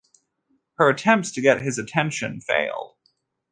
Her attempts to get his attention failed.